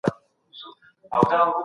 مي وږي ماشومان دي